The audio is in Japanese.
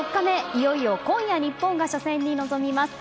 いよいよ今夜日本が初戦に臨みます。